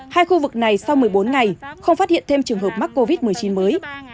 hai khu vực này sau một mươi bốn ngày không phát hiện thêm trường hợp mắc covid một mươi chín mới